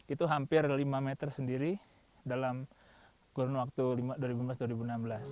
itu hampir lima meter sendiri dalam kurun waktu dua ribu lima belas dua ribu enam belas